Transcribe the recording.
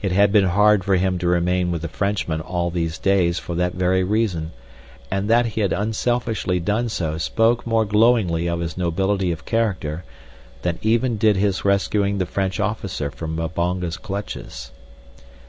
It had been hard for him to remain with the Frenchman all these days for that very reason, and that he had unselfishly done so spoke more glowingly of his nobility of character than even did his rescuing the French officer from Mbonga's clutches.